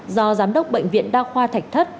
do giám đốc bệnh viện đa khoa thạch thất